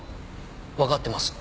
わかってます。